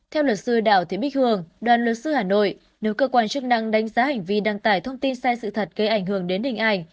theo luật sư đào thị bích hường đoàn luật sư hà nội nếu cơ quan chức năng đánh giá hành vi đăng tải thông tin sai sự thật gây ảnh hưởng đến hình ảnh